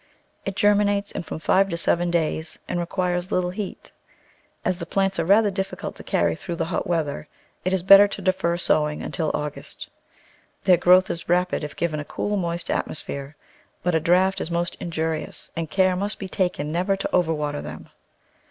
It germinates in from five to seven days, and requires little heat. As the plants are rather difficult to carry through the hot weather it is better to defer sowing until August. Their growth is rapid if given a cool, moist atmosphere, but a draught is most injurious and care must be taken never to over water them.